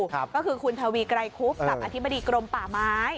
ก็คือคุณทวีไกรคุบกับอธิบดีกรมป่าไม้